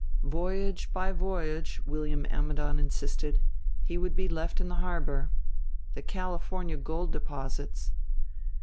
"Voyage by voyage," William Ammidon insisted, "he would be left in the harbor. The California gold deposits